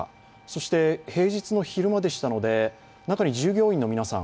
そして、平日の昼間でしたので中に従業員の皆さん